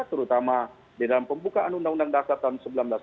terutama di dalam pembukaan undang undang dasar tahun seribu sembilan ratus empat puluh